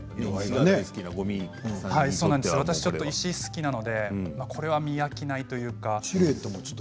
私、石好きなのでこれは見飽きないというか。